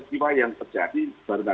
nelepon aku yang benar saja mempergegam